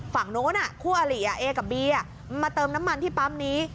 ฝั่งนู้นคู่อลิเอกับบีมาเติมน้ำมันที่ปั๊มนี้